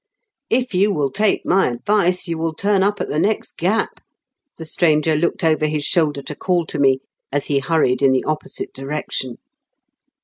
"If you will take my advice, you will turn up at the next gap," the stranger looked over his shoulder to call to me as he hurried in the opposite direction.